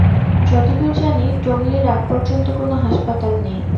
যতদূর জানি টংলির আগপর্যন্ত কোন হাসপাতাল নেই।